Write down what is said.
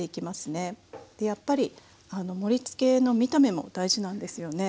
でやっぱり盛りつけの見た目も大事なんですよね。